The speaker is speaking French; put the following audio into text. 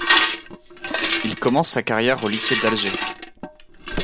Il commence sa carrière au lycée d'Alger.